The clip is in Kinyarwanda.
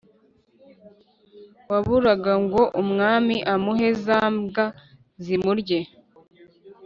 waburaga ngo umwami amuhe za mbwa zimurye.